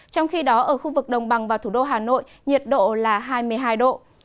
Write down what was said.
trong khi đó ở khu vực đồng bằng và thủ đô hà nội nhiệt độ là hai mươi hai độ